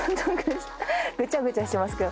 ぐちゃぐちゃしてますけど。